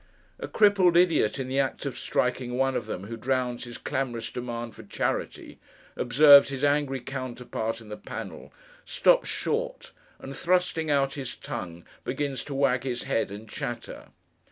A crippled idiot, in the act of striking one of them who drowns his clamorous demand for charity, observes his angry counterpart in the panel, stops short, and thrusting out his tongue, begins to wag his head and chatter.